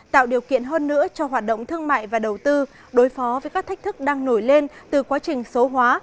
tạo điều kiện hơn nữa cho hoạt động thương mại và đầu tư đối phó với các thách thức đang nổi lên từ quá trình số hóa